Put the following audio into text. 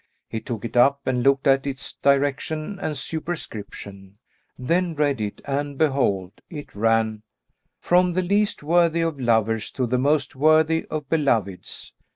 He took it up and looked at its direction and superscription, then read it and behold, it ran:—"From the least worthy of lovers to the most worthy of beloveds."